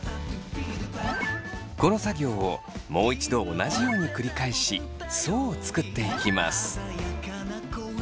この作業をもう一度同じように繰り返し層を作っていきます。